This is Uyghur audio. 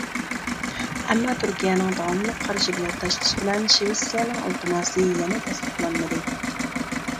ئەمما تۈركىيەنىڭ داۋاملىق قارشى بېلەت تاشلىشى بىلەن شىۋېتسىيەنىڭ ئىلتىماسى يەنە تەستىقلانمىدى.